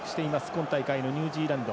今大会のニュージーランド。